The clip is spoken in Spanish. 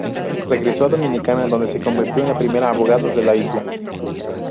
Regresó a Dominica, donde se convirtió en la primera abogada de la isla.